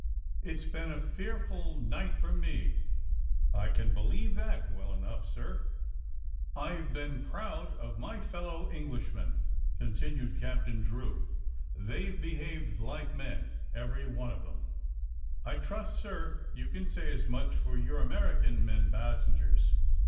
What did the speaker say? *^It has been a fearful night for me.'* *^I can believe that well enough, sir." '^IVe been proud of my fellow Englishmen," continued Captain Drew. *^ They've behaved like men, everyone of them. '* I trust, sir, you can say as much for your American men passengers."